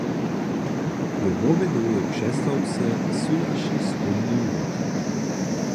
We wobjedowej přestawce sydaše słódny lód.